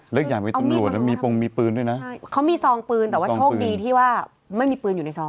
อีกอย่างเป็นตำรวจนะมีโปรงมีปืนด้วยนะใช่เขามีซองปืนแต่ว่าโชคดีที่ว่าไม่มีปืนอยู่ในซอง